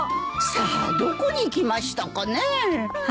さあどこに行きましたかねえ。